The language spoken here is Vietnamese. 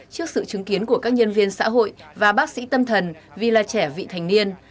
trước sự chứng kiến của các nhân viên xã hội và bác sĩ tâm thần vì là trẻ vị thành niên